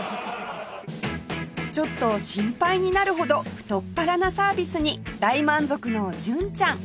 ちょっと心配になるほど太っ腹なサービスに大満足の純ちゃん